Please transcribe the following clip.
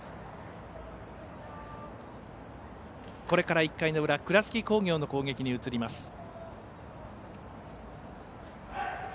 これから１回の裏倉敷工業の攻撃に移ります。